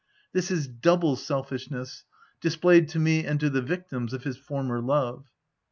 This is double selfishness, displayed to me and to the victims of his former love.